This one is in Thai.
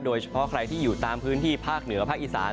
โดยเฉพาะใครที่อยู่ตามพื้นที่ภาคเหนือภาคอีสาน